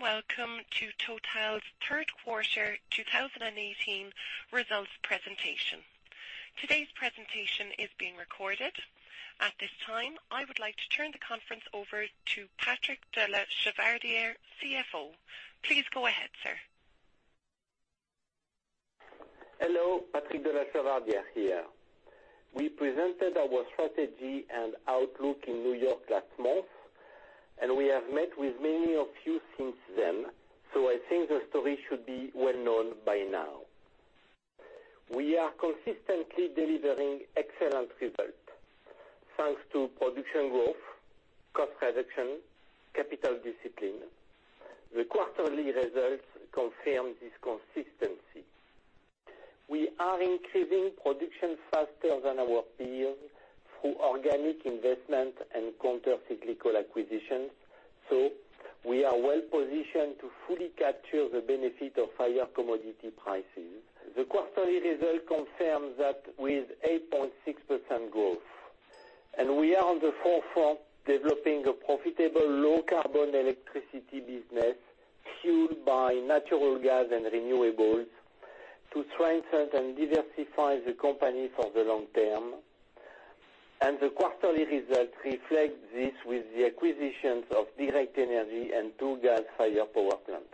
Welcome to Total's third quarter 2018 results presentation. Today's presentation is being recorded. At this time, I would like to turn the conference over to Patrick de la Chevardière, CFO. Please go ahead, sir. Hello. Patrick de la Chevardière here. We presented our strategy and outlook in New York last month. We have met with many of you since then, so I think the story should be well known by now. We are consistently delivering excellent results thanks to production growth, cost reduction, capital discipline. The quarterly results confirm this consistency. We are increasing production faster than our peers through organic investment and counter cyclical acquisitions. We are well positioned to fully capture the benefit of higher commodity prices. The quarterly result confirms that with 8.6% growth. We are on the forefront developing a profitable low-carbon electricity business fueled by natural gas and renewables to strengthen and diversify the company for the long term. The quarterly results reflect this with the acquisitions of Direct Energie and two gas-fired power plants.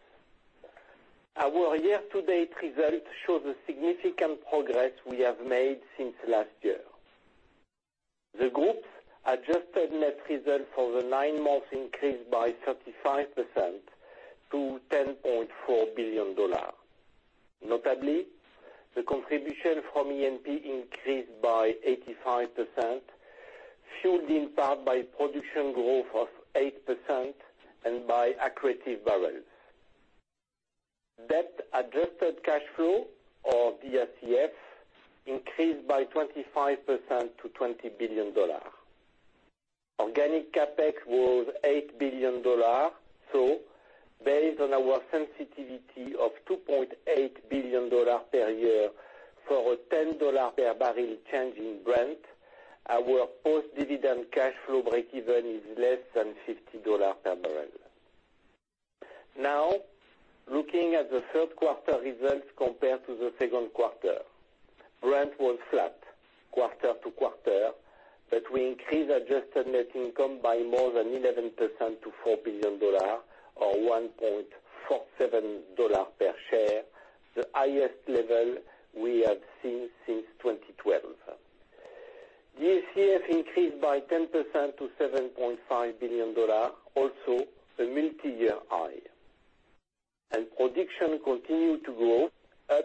Our year-to-date results show the significant progress we have made since last year. The group's adjusted net results for the nine months increased by 35% to $10.4 billion. Notably, the contribution from E&P increased by 85%, fueled in part by production growth of 8% and by accretive barrels. Debt Adjusted Cash Flow or DACF increased by 25% to $20 billion. Organic CapEx was $8 billion. Based on our sensitivity of $2.8 billion per year for a $10 per barrel change in Brent, our post-dividend cash flow breakeven is less than $50 per barrel. Now, looking at the third quarter results compared to the second quarter. Brent was flat quarter to quarter. We increased adjusted net income by more than 11% to $4 billion or $1.47 per share, the highest level we have seen since 2012. DCF increased by 10% to $7.5 billion, also a multi-year high. Production continued to grow up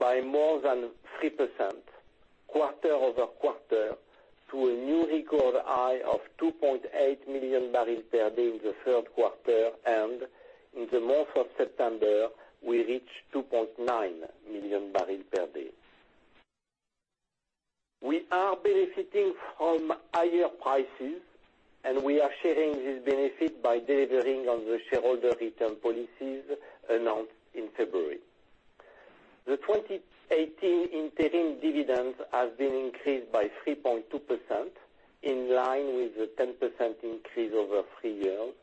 by more than 3% quarter-over-quarter to a new record high of 2.8 million barrels per day in the third quarter. In the month of September, we reached 2.9 million barrels per day. We are benefiting from higher prices. We are sharing this benefit by delivering on the shareholder return policies announced in February. The 2018 interim dividend has been increased by 3.2%, in line with the 10% increase over three years.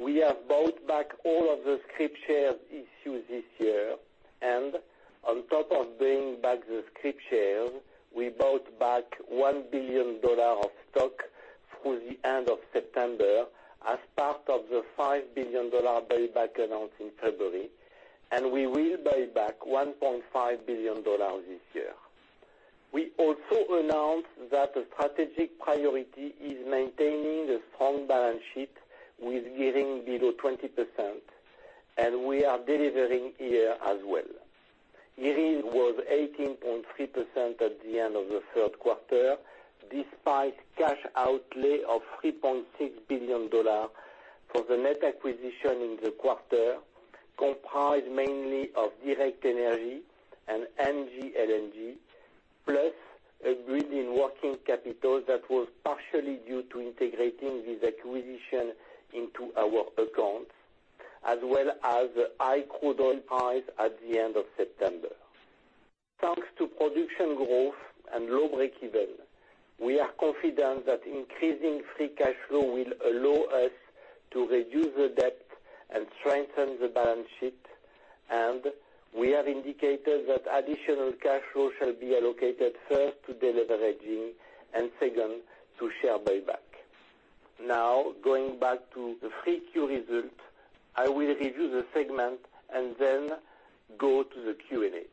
We have bought back all of the scrip shares issued this year. On top of bringing back the scrip shares, we bought back $1 billion of stock through the end of September as part of the $5 billion buyback announced in February. We will buy back $1.5 billion this year. We also announced that a strategic priority is maintaining a strong balance sheet with gearing below 20%, and we are delivering here as well. It was 18.3% at the end of the third quarter, despite cash outlay of EUR 3.6 billion for the net acquisition in the quarter, comprised mainly of Direct Energie and ENGIE LNG, plus a build in working capital that was partially due to integrating this acquisition into our accounts, as well as the high crude oil price at the end of September. Thanks to production growth and low breakeven, we are confident that increasing free cash flow will allow us to reduce the debt and strengthen the balance sheet, and we have indicated that additional cash flow shall be allocated first to de-leveraging and second to share buyback. Now, going back to the 3Q result, I will review the segment and then go to the Q&A.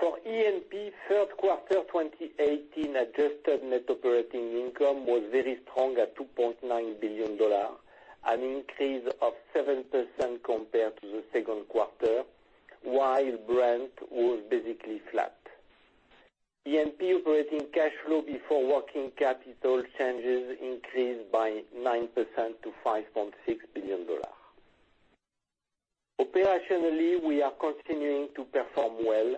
For E&P, third quarter 2018 adjusted net operating income was very strong at EUR 2.9 billion, an increase of 7% compared to the second quarter, while Brent was basically flat. E&P operating cash flow before working capital changes increased by 9% to EUR 5.6 billion. Operationally, we are continuing to perform well.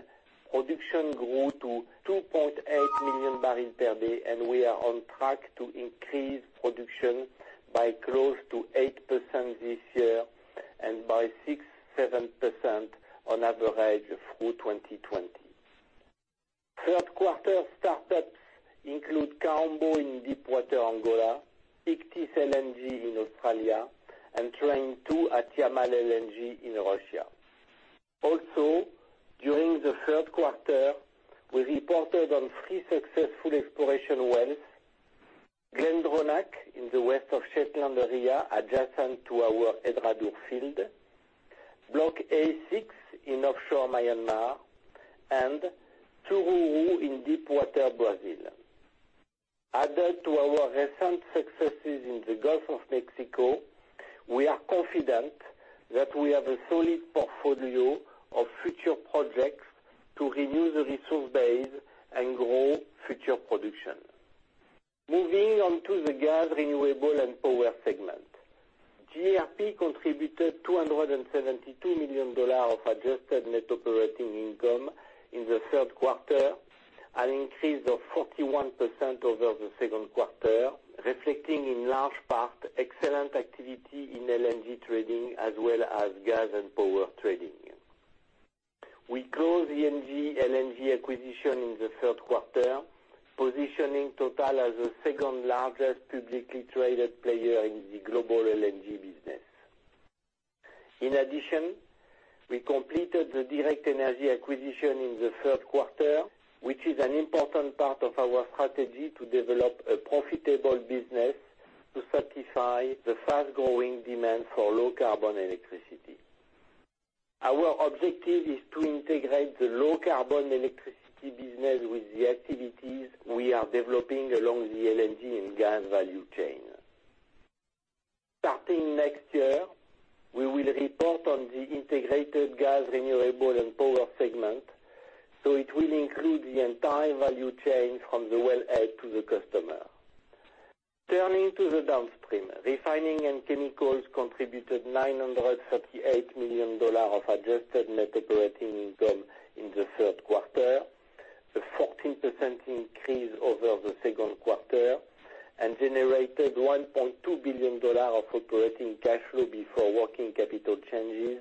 Production grew to 2.8 million barrels per day, and we are on track to increase production by close to 8% this year and by 6%-7% on average through 2020. Third quarter startups include Kaombo in deepwater Angola, Ichthys LNG in Australia, and Train 2 at Yamal LNG in Russia. Also, during the third quarter, we reported on three successful exploration wells, Glendronach in the west of Shetland area adjacent to our Edradour field, Block A6 in offshore Myanmar, and Sururu in deepwater Brazil. Added to our recent successes in the Gulf of Mexico, we are confident that we have a solid portfolio of future projects to renew the resource base and grow future production. Moving on to the gas, renewable, and power segment. iGRP contributed EUR 272 million of adjusted net operating income in the third quarter, an increase of 41% over the second quarter, reflecting in large part excellent activity in LNG trading as well as gas and power trading. We closed the ENGIE LNG acquisition in the third quarter, positioning Total as the second largest publicly traded player in the global LNG business. In addition, we completed the Direct Energie acquisition in the third quarter, which is an important part of our strategy to develop a profitable business to satisfy the fast-growing demand for low-carbon electricity. Our objective is to integrate the low-carbon electricity business with the activities we are developing along the LNG and gas value chain. Starting next year, we will report on the Integrated Gas, Renewables & Power segment, so it will include the entire value chain from the wellhead to the customer. Turning to the downstream. Refining & Chemicals contributed EUR 938 million of adjusted net operating income in the third quarter, a 14% increase over the second quarter, and generated EUR 1.2 billion of operating cash flow before working capital changes,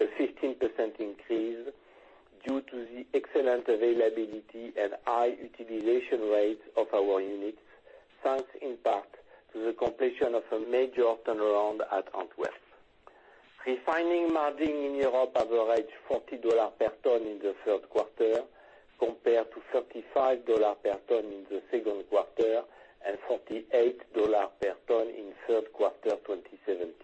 a 15% increase due to the excellent availability and high utilization rates of our units, thanks in part to the completion of a major turnaround at Antwerp. Refining margin in Europe averaged EUR 40 per ton in the third quarter compared to EUR 35 per ton in the second quarter and EUR 48 per ton in third quarter 2017.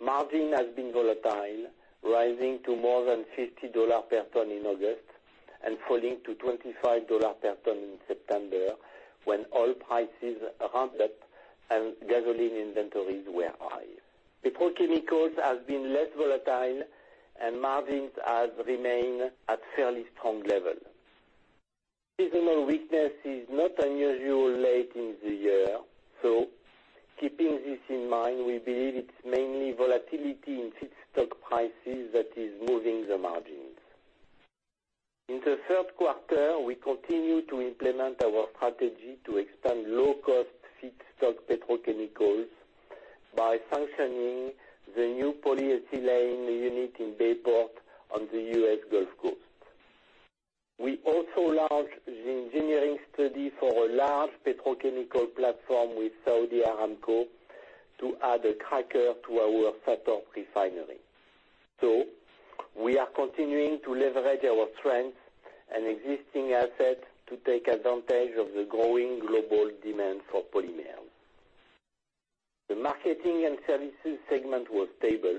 Margin has been volatile, rising to more than EUR 50 per ton in August and falling to EUR 25 per ton in September when oil prices rounded and gasoline inventories were high. Petrochemicals has been less volatile, and margins have remained at fairly strong levels. Seasonal weakness is not unusual late in the year. Keeping this in mind, we believe it's mainly volatility in feedstock prices that is moving the margins. In the third quarter, we continued to implement our strategy to expand low-cost feedstock petrochemicals by sanctioning the new polyethylene unit in Bayport on the U.S. Gulf Coast. We also launched the engineering study for a large petrochemical platform with Saudi Aramco to add a cracker to our SATORP refinery. We are continuing to leverage our strengths and existing assets to take advantage of the growing global demand for polymers. The Marketing & Services segment was stable,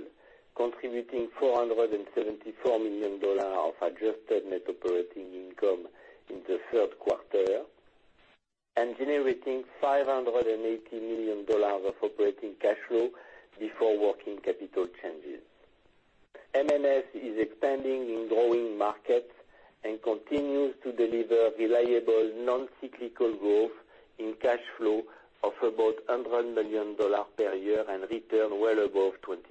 contributing EUR 474 million of adjusted net operating income in the third quarter and generating EUR 580 million of operating cash flow before working capital changes. M&S is expanding in growing markets and continues to deliver reliable non-cyclical growth in cash flow of about EUR 100 million per year and return well above 20%.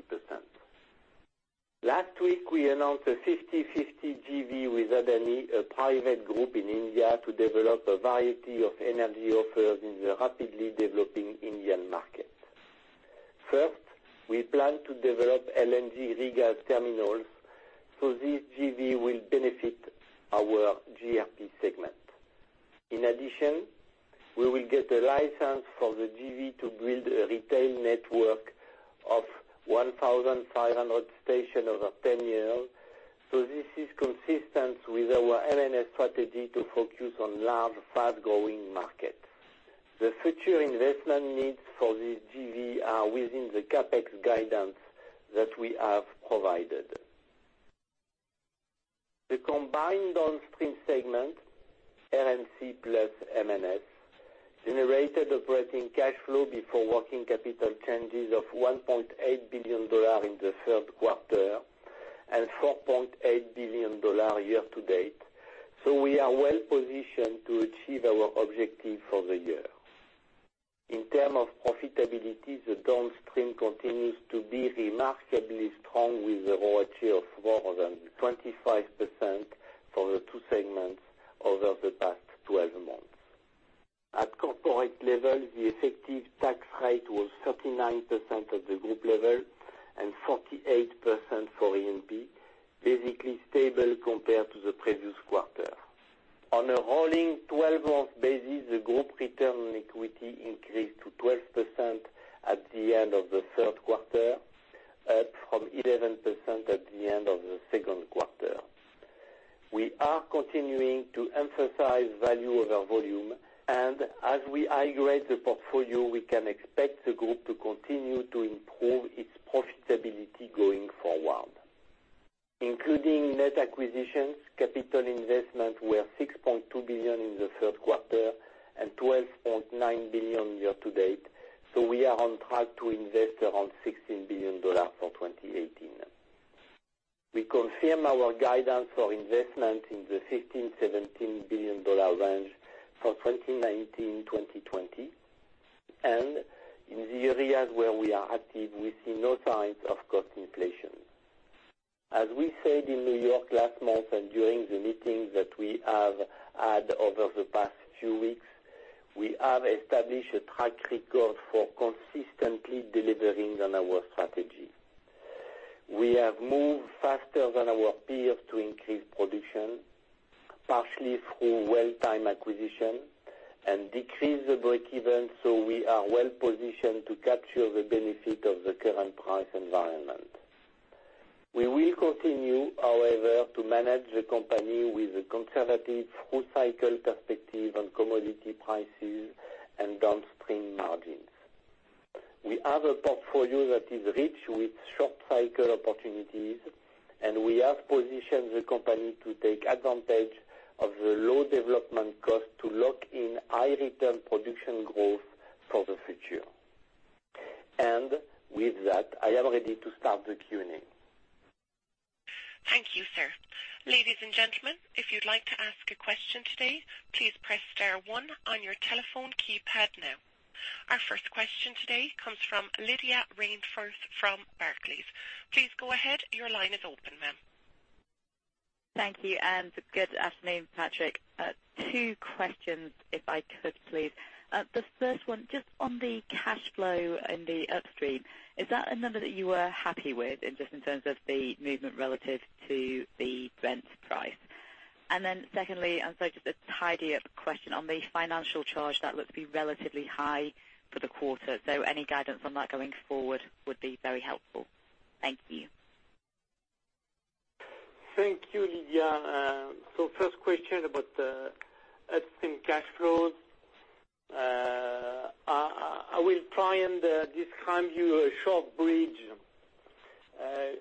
Last week, we announced a 50/50 JV with Adani, a private group in India, to develop a variety of energy offers in the rapidly developing Indian market. First, we plan to develop LNG regas terminals, this JV will benefit our GRP segment. In addition, we will get a license for the JV to build a retail network of 1,500 stations over 10 years. This is consistent with our M&S strategy to focus on large, fast-growing markets. The future investment needs for this JV are within the CapEx guidance that we have provided. The combined downstream segment, RC plus M&S, generated operating cash flow before working capital changes of EUR 1.8 billion in the third quarter and EUR 4.8 billion year to date, we are well positioned to achieve our objective for the year. In terms of profitability, the downstream continues to be remarkably strong, with a ROACE of more than 25% for the two segments over the past 12 months. At corporate level, the effective tax rate was 39% at the group level and 48% for E&P, basically stable compared to the previous quarter. On a rolling 12-month basis, the group return on equity increased to 12% at the end of the third quarter, up from 11% at the end of the second quarter. We are continuing to emphasize value over volume, as we high-grade the portfolio, we can expect the group to continue to improve its profitability going forward. Including net acquisitions, capital investment were 6.2 billion in the third quarter and 12.9 billion year-to-date, we are on track to invest around EUR 16 billion for 2018. We confirm our guidance for investment in the 15 billion-17 billion range for 2019, 2020, in the areas where we are active, we see no signs of cost inflation. As we said in New York last month and during the meetings that we have had over the past few weeks, we have established a track record for consistently delivering on our strategy. We have moved faster than our peers to increase production, partially through well time acquisition, and decrease the break-even, so we are well positioned to capture the benefit of the current price environment. We will continue, however, to manage the company with a conservative full-cycle perspective on commodity prices and downstream margins. We have a portfolio that is rich with short-cycle opportunities. We have positioned the company to take advantage of the low development cost to lock in high-return production growth for the future. With that, I am ready to start the Q&A. Thank you, sir. Ladies and gentlemen, if you'd like to ask a question today, please press star one on your telephone keypad now. Our first question today comes from Lydia Rainforth from Barclays. Please go ahead. Your line is open, ma'am. Thank you, good afternoon, Patrick. Two questions if I could, please. The first one, just on the cash flow in the upstream, is that a number that you were happy with, just in terms of the movement relative to the Brent price? Secondly, sorry, just a tidy up question on the financial charge that looks to be relatively high for the quarter. Any guidance on that going forward would be very helpful. Thank you. Thank you, Lydia. First question about upstream cash flows. I will try and describe you a short bridge. I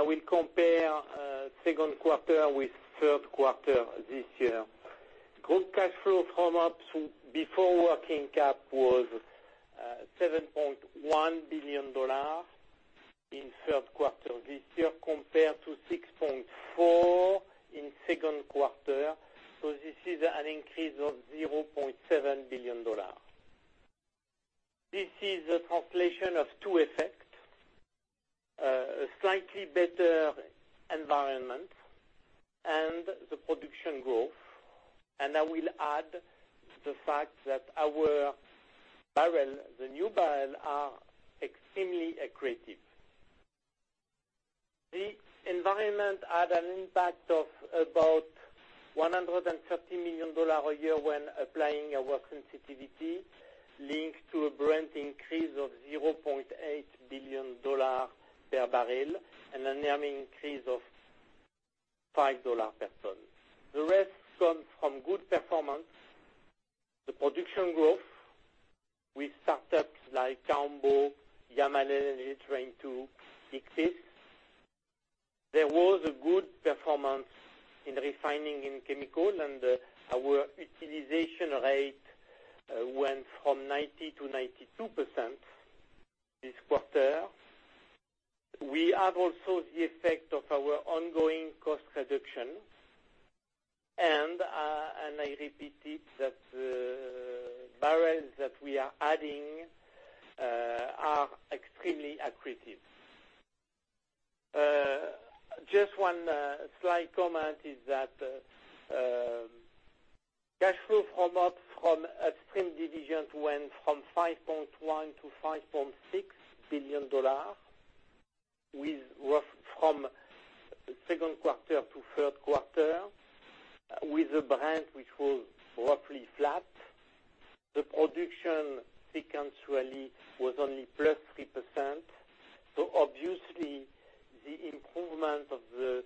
will compare second quarter with third quarter this year. Group cash flow from ops, before working cap, was EUR 7.1 billion in third quarter this year, compared to EUR 6.4 billion in second quarter. This is an increase of EUR 0.7 billion. This is a translation of two effects, a slightly better environment and the production growth. I will add the fact that our barrel, the new barrel, are extremely accretive. The environment had an impact of about EUR 130 million a year when applying our sensitivity linked to a Brent increase of EUR 0.8 billion per barrel and an ERMI increase of EUR 5 per ton. The rest comes from good performance, the production growth with startups like Kaombo, Yamal and Train 2, Ichthys. There was a good performance in Refining & Chemicals and our utilization rate went from 90% to 92% this quarter. We have also the effect of our ongoing cost reduction. I repeat it, that the barrels that we are adding are extremely accretive. Just one slight comment is that cash flow from ops from upstream divisions went from 5.1 billion to EUR 5.6 billion from second quarter to third quarter. With a Brent, which was roughly flat, the production sequentially was only +3%. Obviously, the improvement of the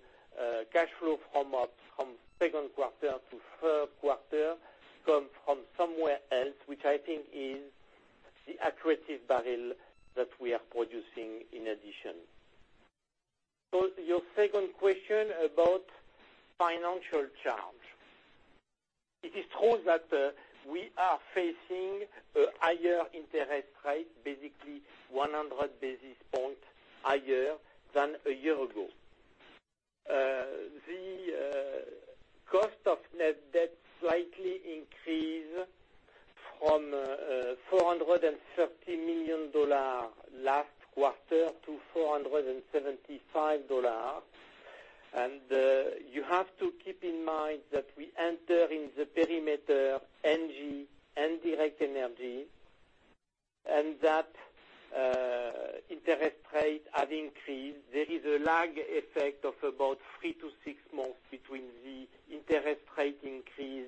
cash flow from ops from second quarter to third quarter comes from somewhere else, which I think is the accretive barrel that we are producing in addition. Your second question about financial charge. It is true that we are facing a higher interest rate, basically 100 basis points higher than a year ago. The cost of net debt slightly increased from EUR 430 million last quarter to EUR 475. You have to keep in mind that we enter in the perimeter ENGIE, Direct Energie, and that interest rates have increased. There is a lag effect of about three to six months between the interest rate increase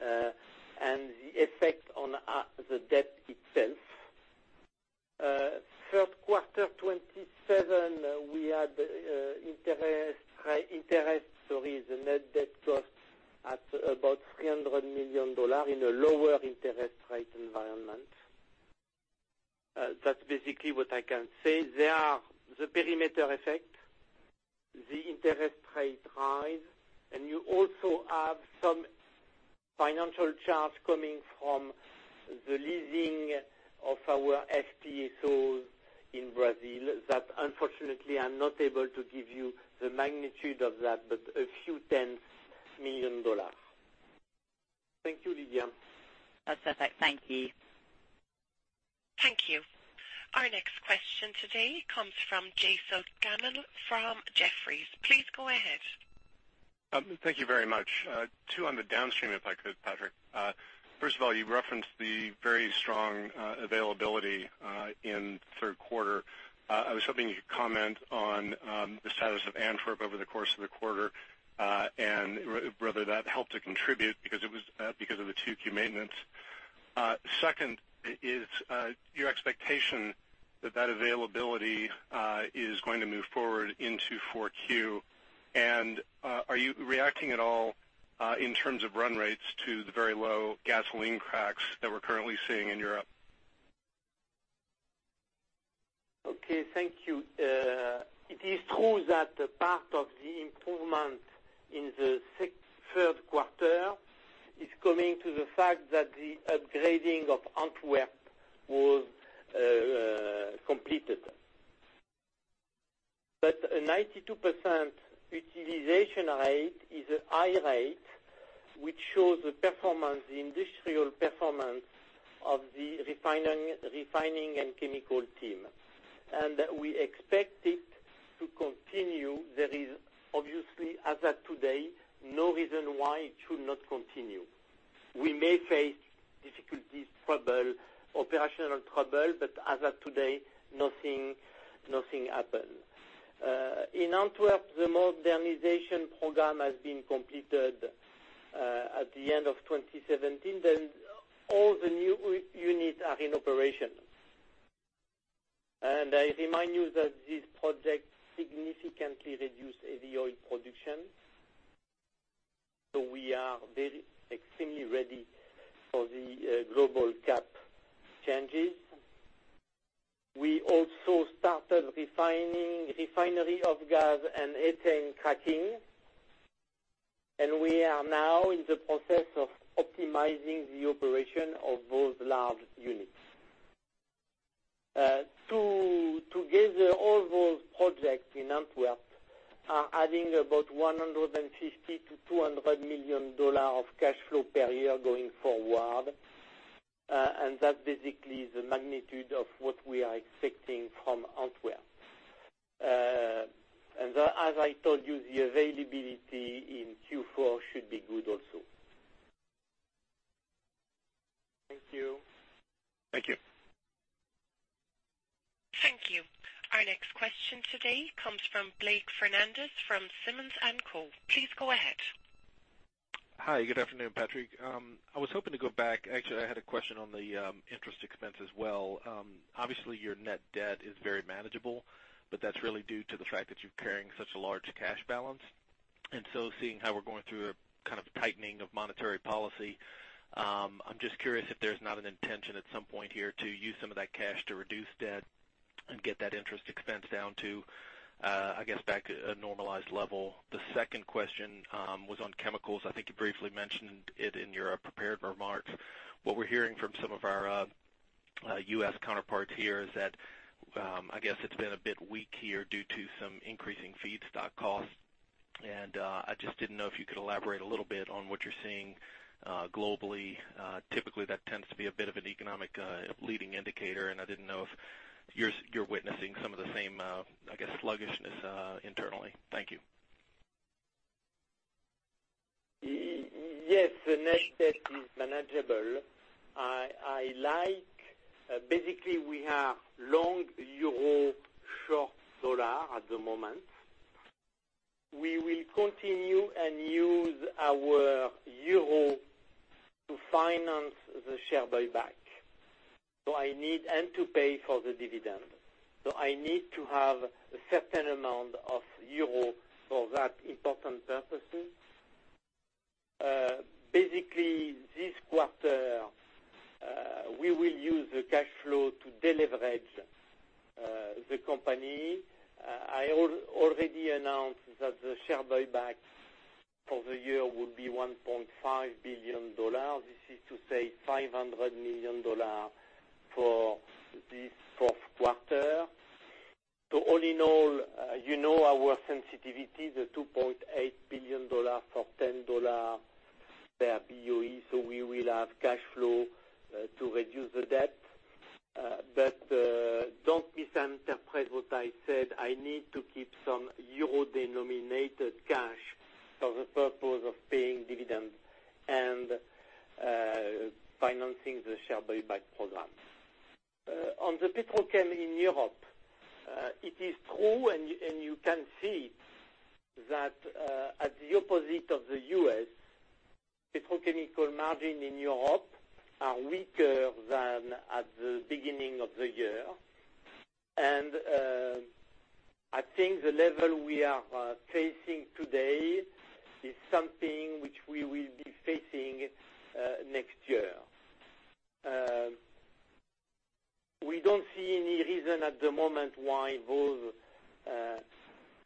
and the effect on the debt itself. Third quarter 2017, we had the net debt cost at about EUR 300 million in a lower interest rate environment. That's basically what I can say. There are the perimeter effect, the interest rate rise, and you also have some financial charge coming from the leasing of our FPSOs in Brazil that unfortunately, I'm not able to give you the magnitude of that, but a few tens of million EUR. Thank you, Lydia. That's perfect. Thank you. Thank you. Our next question today comes from Jason Gammel from Jefferies. Please go ahead. Thank you very much. Two on the downstream, if I could, Patrick. First of all, you referenced the very strong availability in the third quarter. I was hoping you could comment on the status of Antwerp over the course of the quarter, and whether that helped to contribute because of the 2Q maintenance. Second is, your expectation that that availability is going to move forward into 4Q, and are you reacting at all, in terms of run rates, to the very low gasoline cracks that we're currently seeing in Europe? Okay, thank you. It is true that part of the improvement in the third quarter is coming to the fact that the upgrading of Antwerp was completed. A 92% utilization rate is a high rate, which shows the industrial performance of the Refining & Chemicals team. We expect it to continue. There is obviously, as of today, no reason why it should not continue. We may face difficulties, operational trouble, but as of today, nothing happened. In Antwerp, the modernization program has been completed, at the end of 2017. All the new units are in operation. I remind you that this project significantly reduced heavy oil production. We are extremely ready for the global cap changes. We also started refinery of gas and ethane cracking, and we are now in the process of optimizing the operation of those large units. Together, all those projects in Antwerp are adding about 150 million to EUR 200 million of cash flow per year going forward. That basically is the magnitude of what we are expecting from Antwerp. As I told you, the availability in Q4 should be good also. Thank you. Thank you. Thank you. Our next question today comes from Blake Fernandez from Simmons & Co. Please go ahead. Hi, good afternoon, Patrick. I was hoping to go back. Actually, I had a question on the interest expense as well. Obviously, your net debt is very manageable, but that's really due to the fact that you're carrying such a large cash balance. Seeing how we're going through a kind of tightening of monetary policy, I'm just curious if there's not an intention at some point here to use some of that cash to reduce debt and get that interest expense down to, I guess, back at a normalized level. The second question was on chemicals. I think you briefly mentioned it in your prepared remarks. What we're hearing from some of our U.S. counterparts here is that, I guess it's been a bit weak here due to some increasing feedstock costs. I just didn't know if you could elaborate a little bit on what you're seeing globally. Typically, that tends to be a bit of an economic leading indicator, and I didn't know if you're witnessing some of the same, I guess sluggishness internally. Thank you. Yes, the net debt is manageable. Basically, we have long euro, short dollar at the moment. We will continue and use our euro to finance the share buyback and to pay for the dividend. I need to have a certain amount of euro for that important purposes. Basically, this quarter, we will use the cash flow to deleverage the company. I already announced that the share buyback for the year would be $1.5 billion. This is to say $500 million for this fourth quarter. So all in all, you know our sensitivity, the $2.8 billion for $10 per BOE, we will have cash flow to reduce the debt. Don't misinterpret what I said. I need to keep some euro-denominated cash for the purpose of paying dividends and financing the share buyback program. On the petrochem in Europe, it is true, you can see that at the opposite of the U.S., petrochemical margins in Europe are weaker than at the beginning of the year. I think the level we are facing today is something which we will be facing next year. We don't see any reason at the moment why those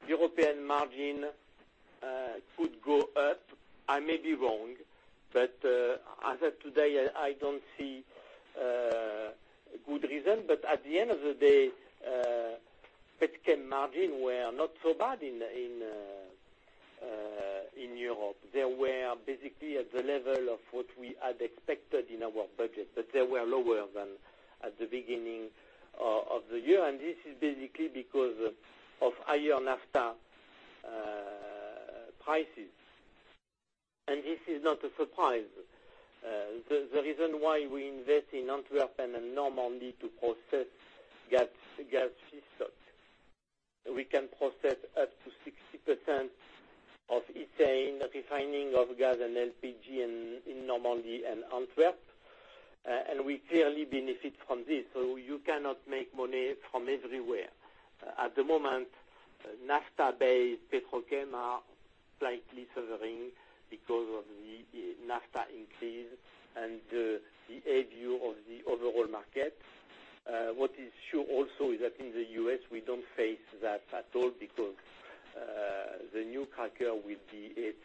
European margins could go up. I may be wrong, but as of today, I don't see a good reason. At the end of the day, petchem margins were not so bad in Europe. They were basically at the level of what we had expected in our budget, but they were lower than at the beginning of the year. This is basically because of higher naphtha prices. This is not a surprise. The reason why we invest in Antwerp and Normandy to process gas feedstocks. We can process up to 60% of ethane, refining of gas and LPG in Normandy and Antwerp. We clearly benefit from this. You cannot make money from everywhere. At the moment, naphtha-based petrochem are slightly suffering because of the naphtha increase and the A view of the overall market. What is sure also is that in the U.S., we don't face that at all because the new cracker will be ethane-based.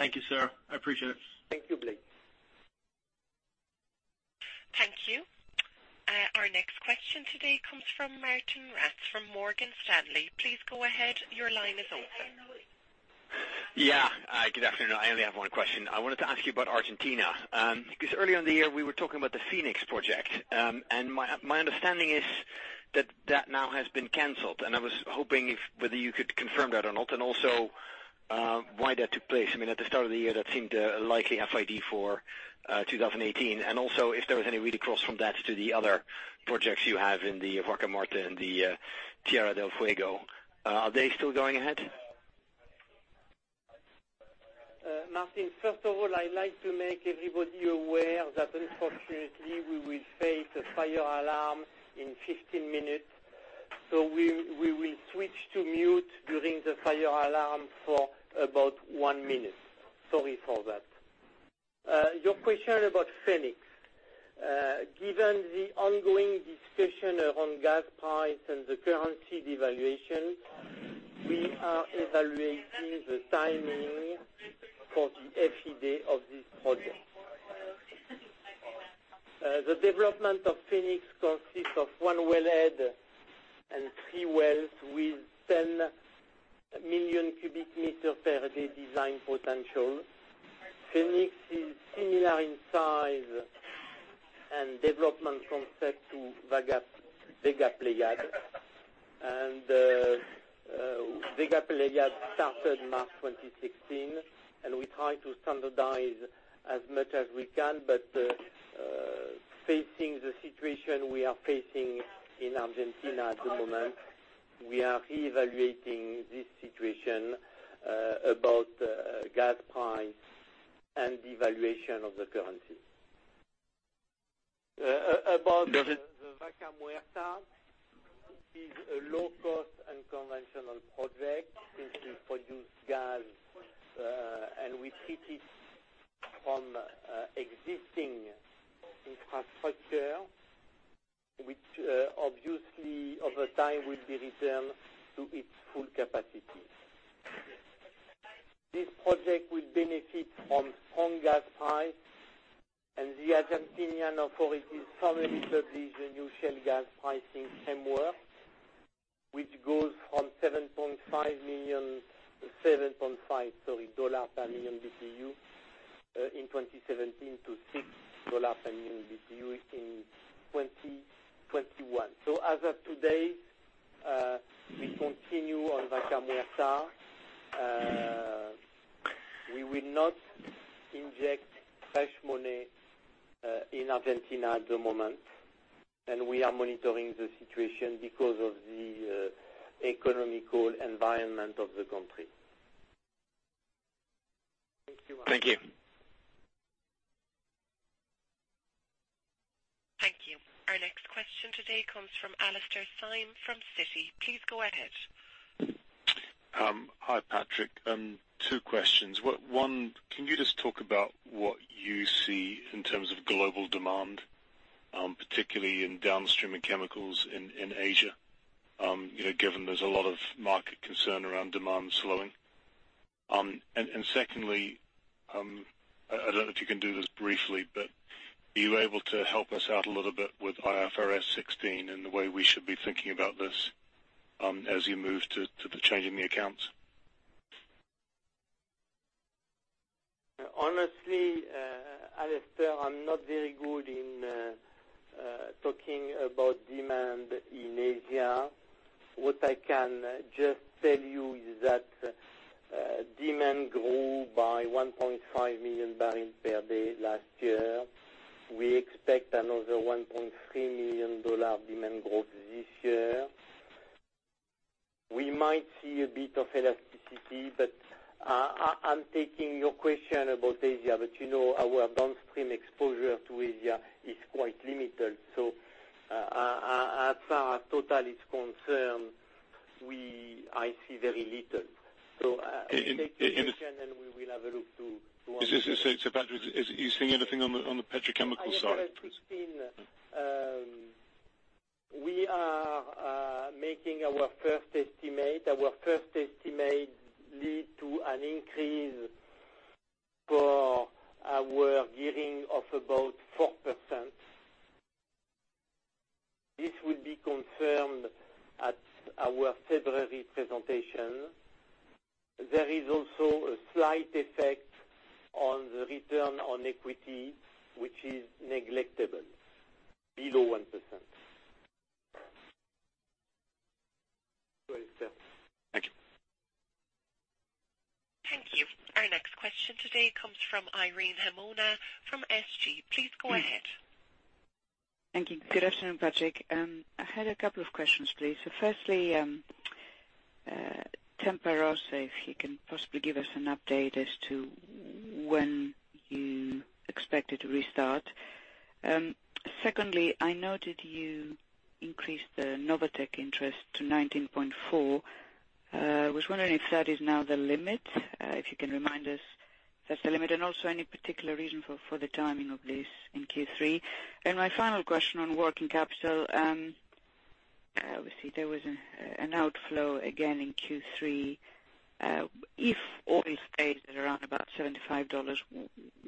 Thank you, sir. I appreciate it. Thank you, Blake. Thank you. Our next question today comes from Martijn Rats from Morgan Stanley. Please go ahead. Your line is open. Yeah. Good afternoon. I only have one question. I wanted to ask you about Argentina. Earlier in the year, we were talking about the Fénix project. My understanding is that that now has been canceled. I was hoping whether you could confirm that or not, and also, why that took place. I mean, at the start of the year, that seemed a likely FID for 2018. Also, if there was any read-across from that to the other projects you have in the Vaca Muerta and the Tierra del Fuego. Are they still going ahead? Martijn, first of all, I'd like to make everybody aware that unfortunately, we will face a fire alarm in 15 minutes. We will switch to mute during the fire alarm for about one minute. Sorry for that. Your question about Fénix. Given the ongoing discussion around gas price and the currency devaluation, we are evaluating the timing for the FID of this project. The development of Fénix consists of one wellhead and three wells with 10 million cubic meter per day design potential. Fénix is similar in size and development concept to Vega Pléyade. Vega Pléyade started March 2016, we try to standardize as much as we can, facing the situation we are facing in Argentina at the moment, we are reevaluating this situation about gas price and devaluation of the currency. About- Does it- Vaca Muerta, it is a low-cost conventional project since we produce gas, we feed it from existing infrastructure, which obviously over time will be returned to its full capacity. This project will benefit from strong gas price. The Argentinian authorities formally published the new shale gas pricing framework, which goes from $7.5 per million BTU in 2017 to $6 per million BTU in 2021. As of today, we continue on Vaca Muerta. We will not inject fresh money in Argentina at the moment. We are monitoring the situation because of the economic environment of the country. Thank you. Thank you. Our next question today comes from Alastair Syme from Citi. Please go ahead. Hi, Patrick. Two questions. One, can you just talk about what you see in terms of global demand, particularly in downstream and chemicals in Asia, given there's a lot of market concern around demand slowing? Secondly, I don't know if you can do this briefly, but are you able to help us out a little bit with IFRS 16 and the way we should be thinking about this as you move to the change in the accounts? Honestly, Alastair, I am not very good in talking about demand in Asia. What I can just tell you is that demand grew by 1.5 million barrels per day last year. We expect another 1.3 million demand growth this year. We might see a bit of elasticity, but I am taking your question about Asia, but you know our downstream exposure to Asia is quite limited. As far as Total is concerned, I see very little. I will take the issue and we will have a look to answer. Patrick, are you seeing anything on the petrochemical side? IFRS 16, we are making our first estimate. Our first estimate lead to an increase for our gearing of about 4%. This will be confirmed at our February presentation. There is also a slight effect on the return on equity, which is neglectable, below 1%. Thank you. Thank you. Our next question today comes from Irene Himona from SG. Please go ahead. Thank you. Good afternoon, Patrick. I had a couple of questions, please. Firstly, Tempa Rossa, if you can possibly give us an update as to when you expected to restart. Secondly, I noted you increased the Novatek interest to 19.4. I was wondering if that is now the limit, if you can remind us if that's the limit, and also any particular reason for the timing of this in Q3. My final question on working capital, obviously, there was an outflow again in Q3. If oil stays at around about $75,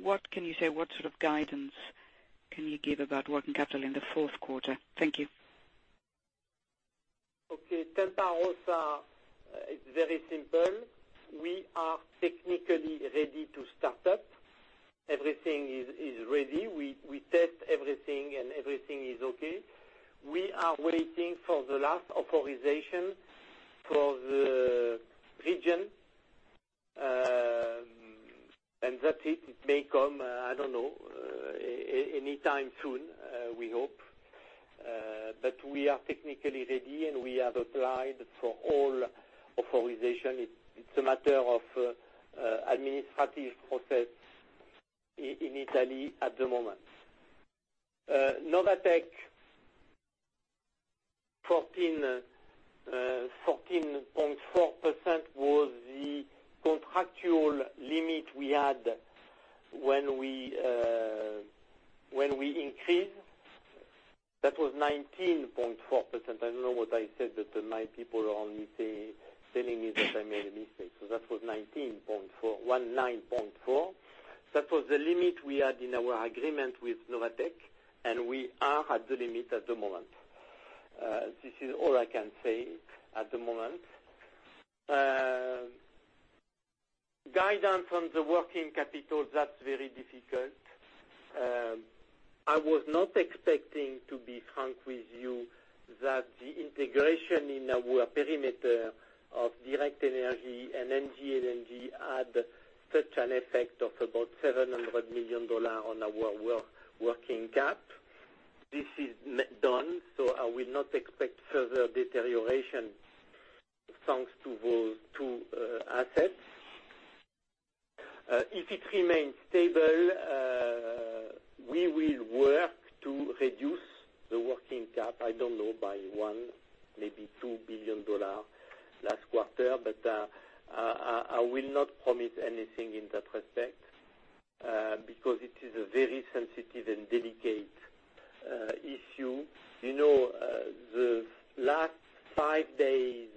what can you say? What sort of guidance can you give about working capital in the fourth quarter? Thank you. Okay. Tempa Rossa is very simple. We are technically ready to start up. Everything is ready. We test everything, and everything is okay. We are waiting for the last authorization from the region. That it may come, I don't know, any time soon, we hope. We are technically ready, and we have applied for all authorization. It's a matter of administrative process in Italy at the moment. Novatek, 14.4% was the contractual limit we had when we increased. That was 19.4%. I don't know what I said, but my people are only telling me that I made a mistake. That was 19.4. That was the limit we had in our agreement with Novatek, and we are at the limit at the moment. This is all I can say at the moment. Guidance on the working capital, that's very difficult. I was not expecting, to be frank with you, that the integration in our perimeter of Direct Energie and ENGIE LNG had such an effect of about $700 million on our working cap. This is done, I will not expect further deterioration thanks to those two assets. If it remains stable, we will work to reduce the working cap, I don't know, by $1 billion, maybe $2 billion last quarter. I will not promise anything in that respect, because it is a very sensitive and delicate issue. The last five days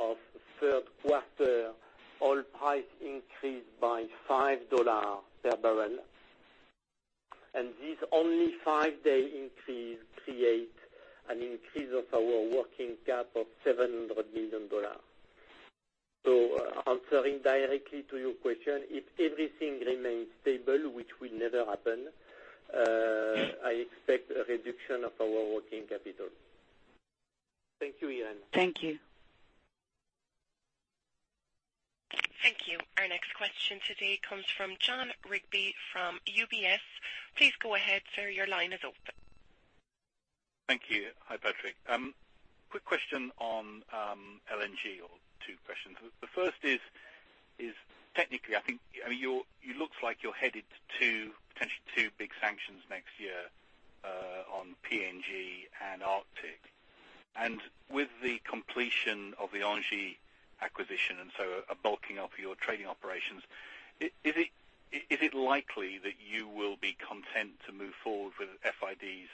of third quarter, oil price increased by $5 per barrel. This only five-day increase create an increase of our working cap of $700 million. Answering directly to your question, if everything remains stable, which will never happen, I expect a reduction of our working capital. Thank you, Irene. Thank you. Thank you. Our next question today comes from Jon Rigby from UBS. Please go ahead, sir. Your line is open. Thank you. Hi, Patrick. Quick question on LNG, or two questions. The first is, technically, I think it looks like you're headed to potentially two big sanctions next year on PNG and Arctic. With the completion of the ENGIE acquisition, and so a bulking up of your trading operation. Is it likely that you will be content to move forward with FIDs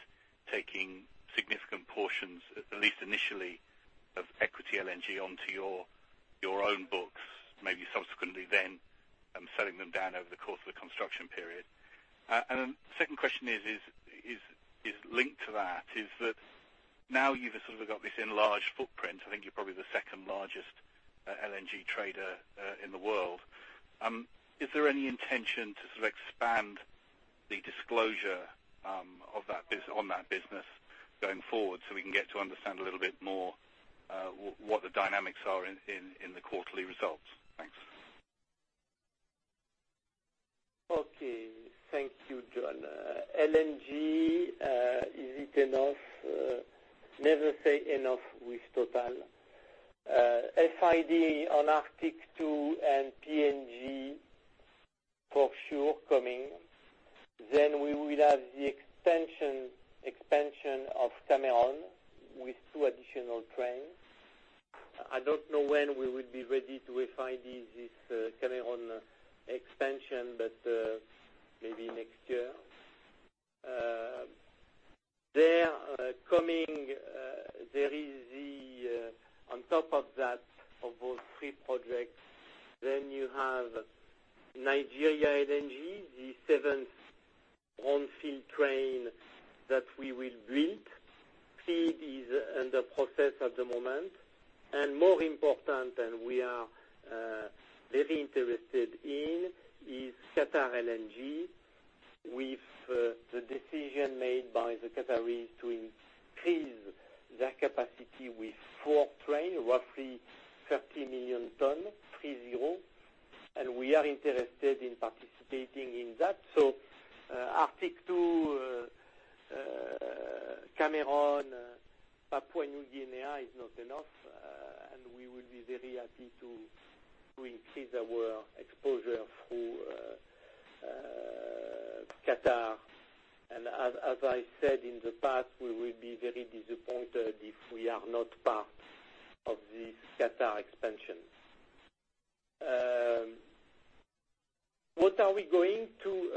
taking significant portions, at least initially, of equity LNG onto your own books, maybe subsequently then selling them down over the course of the construction period? The second question is linked to that, is that now you've sort of got this enlarged footprint. I think you're probably the second-largest LNG trader in the world. Is there any intention to sort of expand the disclosure on that business going forward so we can get to understand a little bit more what the dynamics are in the quarterly results? Thanks. Okay. Thank you, Jon. LNG, is it enough? Never say enough with Total. FID on Arctic-2 and PNG for sure coming. We will have the expansion of Cameroon with two additional trains. I don't know when we will be ready to FID this Cameroon expansion, but maybe next year. On top of that, of those three projects, you have Nigeria LNG, the seventh on-field train that we will build. FEED is in the process at the moment. More important, and we are very interested in, is Qatar LNG with the decision made by the Qataris to increase their capacity with four train, roughly 30 million ton, three zero. We are interested in participating in that. Arctic-2, Cameroon, Papua New Guinea is not enough, and we will be very happy to increase our exposure through Qatar. As I said in the past, we will be very disappointed if we are not part of this Qatar expansion. What are we going to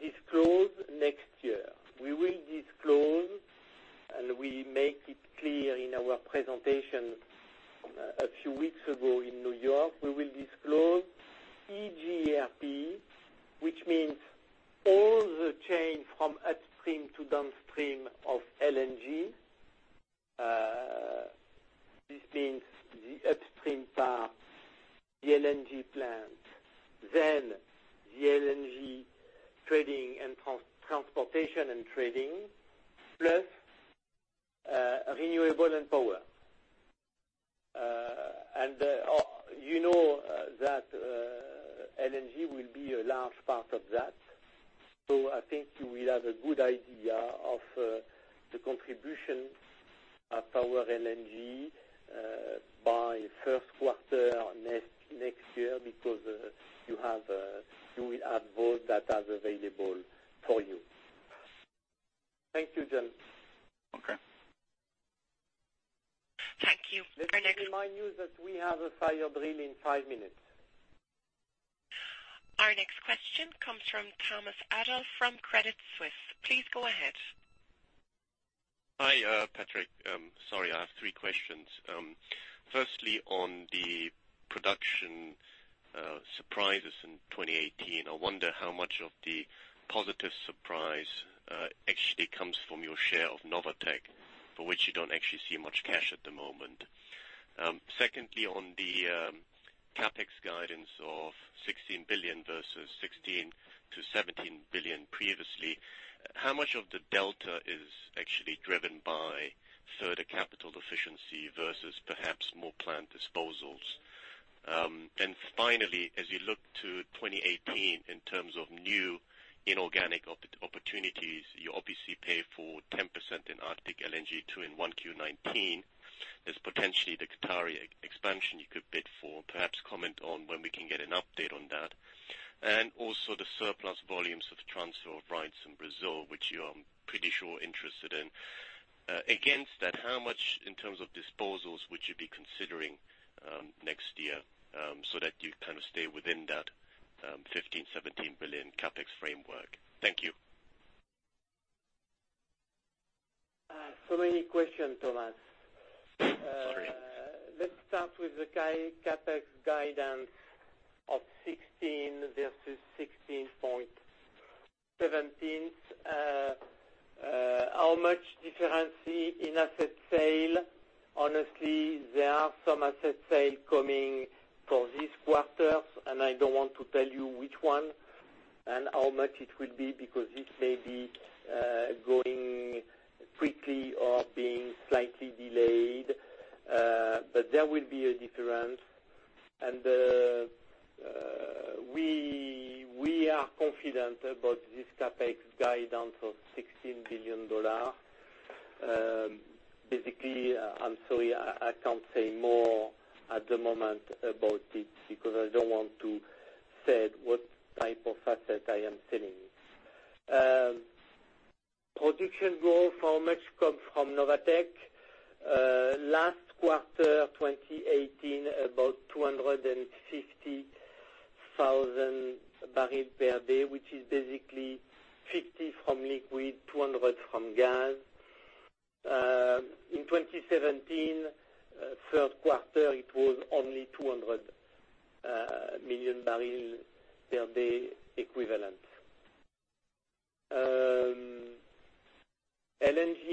disclose next year? We will disclose, and we make it clear in our presentation a few weeks ago in New York, we will disclose iGRP, which means all the chain from upstream to downstream of LNG. This means the upstream part, the LNG plant, then the LNG trading and transportation and trading, plus renewable and power. You know that LNG will be a large part of that. I think you will have a good idea of the contribution of our LNG by first quarter next year because you will have both data available for you. Thank you, Jon. Okay. Thank you. Our next- Let me remind you that we have a fire drill in five minutes. Our next question comes from Thomas Adolff from Credit Suisse. Please go ahead. Hi, Patrick. Sorry, I have three questions. Firstly, on the production surprises in 2018, I wonder how much of the positive surprise actually comes from your share of Novatek, for which you don't actually see much cash at the moment. Secondly, on the CapEx guidance of 16 billion versus 16 billion-17 billion previously, how much of the delta is actually driven by further capital efficiency versus perhaps more planned disposals? Finally, as you look to 2018 in terms of new inorganic opportunities, you obviously pay for 10% in Arctic LNG 2 in 1Q 2019. There's potentially the Qatari expansion you could bid for, perhaps comment on when we can get an update on that. Also, the surplus volumes of transfer of rights in Brazil, which you are I'm pretty sure interested in. Against that, how much in terms of disposals would you be considering next year, so that you kind of stay within that 15 billion-17 billion CapEx framework? Thank you. Many questions, Thomas. Sorry. Let's start with the CapEx guidance of 16 billion versus 16 billion-17 billion. How much difference in asset sale? Honestly, there are some asset sale coming for this quarter, and I don't want to tell you which one and how much it will be, because this may be going quickly or being slightly delayed. There will be a difference. We are confident about this CapEx guidance of EUR 16 billion. Basically, I'm sorry, I can't say more at the moment about it because I don't want to say what type of asset I am selling. Production growth for Mexico from Novatek. Last quarter 2018, about 250,000 barrels per day, which is basically 50 from liquid, 200 from gas. In 2017, third quarter, it was only 200 million barrels per day equivalent. LNG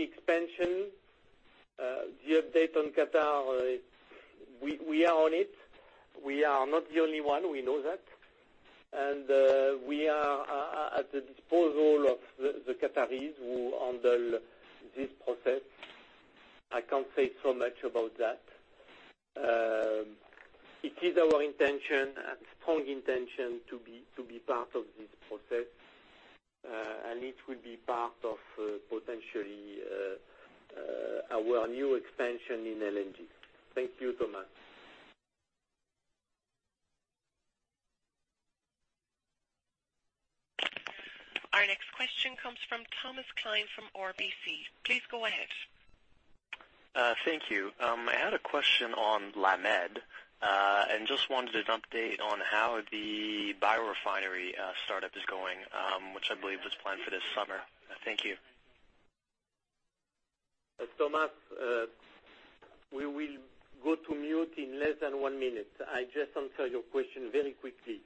expansion, the update on Qatar, we are on it. We are not the only one, we know that. We are at the disposal of the Qataris who handle this process. I can't say so much about that. It is our intention, strong intention to be part of this process, and it will be part of potentially our new expansion in LNG. Thank you, Thomas. Our next question comes from Thomas Klein from RBC. Please go ahead. Thank you. I had a question on La Mède, and just wanted an update on how the biorefinery startup is going, which I believe was planned for this summer. Thank you. Thomas, we will go to mute in less than one minute. I just answer your question very quickly.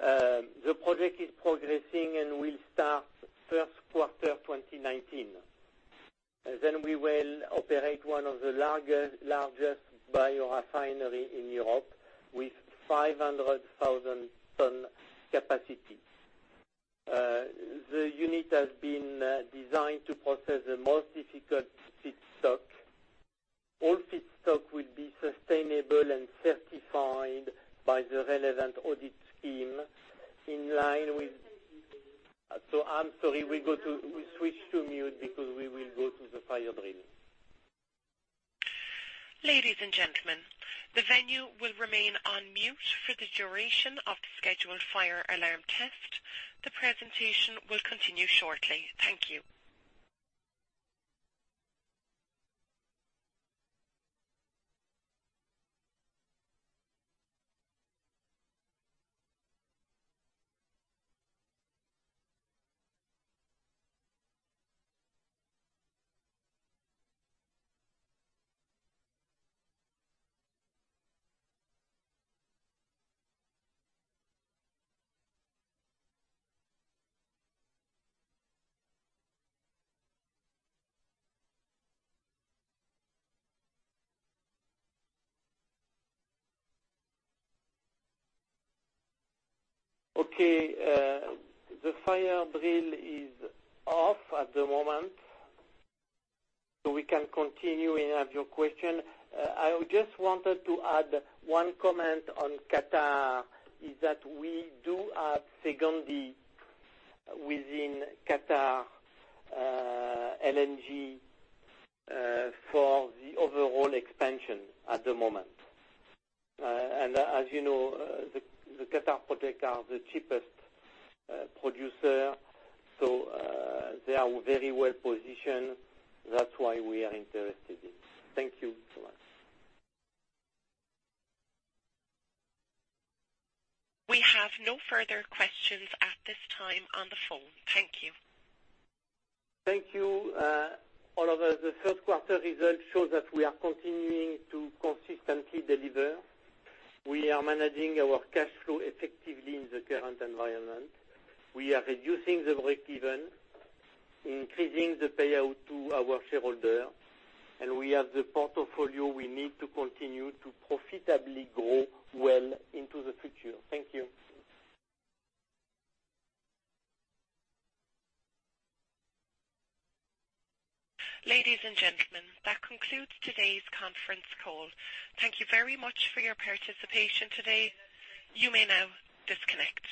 The project is progressing and will start first quarter 2019. We will operate one of the largest biorefinery in Europe with 500,000 ton capacity. The unit has been designed to process the most difficult feedstock. All feedstock will be sustainable and certified by the relevant audit scheme. I'm sorry, we switch to mute because we will go to the fire drill. Ladies and gentlemen, the venue will remain on mute for the duration of the scheduled fire alarm test. The presentation will continue shortly. Thank you. Okay, the fire drill is off at the moment. We can continue and have your question. I just wanted to add one comment on Qatar, is that we do have secondly within Qatar LNG for the overall expansion at the moment. As you know, the Qatar project are the cheapest producer. They are very well-positioned. That's why we are interested in. Thank you, Thomas. We have no further questions at this time on the phone. Thank you. Thank you, Oliver. The third quarter results show that we are continuing to consistently deliver. We are managing our cash flow effectively in the current environment. We are reducing the breakeven, increasing the payout to our shareholder. We have the portfolio we need to continue to profitably grow well into the future. Thank you. Ladies and gentlemen, that concludes today's conference call. Thank you very much for your participation today. You may now disconnect.